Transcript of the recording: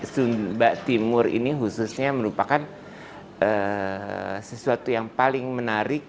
sumba timur ini khususnya merupakan sesuatu yang paling menarik